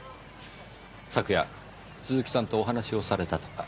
昨夜鈴木さんとお話をされたとか？